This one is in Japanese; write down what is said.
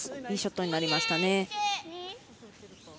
いいショットになりました。